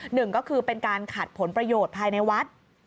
หนึ่งก็คือเป็นการขัดผลประโยชน์ภายในวัด